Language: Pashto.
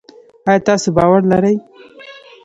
آیا تاسو باور لرئ؟